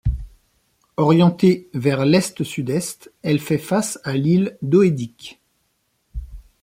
Orientée vers l'est-sud-est, elle fait face à l'île d'Hoëdic.